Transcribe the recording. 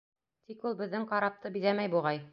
Тик ул беҙҙең карапты биҙәмәй, буғай.